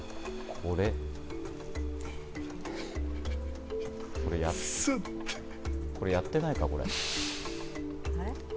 これやってないか？